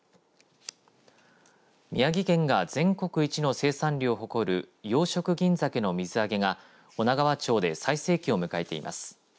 宮城県が全国一の生産量を誇る養殖銀ざけの水揚げが女川町で最盛期を迎えています。